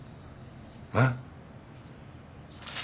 えっ？